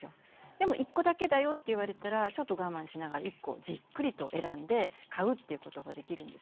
でも１個だけだよって言われたらちょっと我慢しながら１個じっくりと選んで買うっていうことができるんですね。